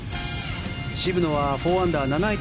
渋野は４アンダー７位